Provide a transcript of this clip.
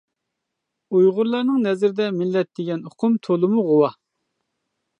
ئۇيغۇرلارنىڭ نەزىرىدە مىللەت دېگەن ئۇقۇم تولىمۇ غۇۋا.